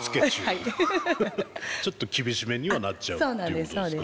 ちょっと厳しめにはなっちゃうっていうことですか。